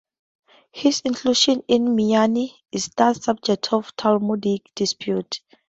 His inclusion in "minyan" is thus subject of Talmudic dispute.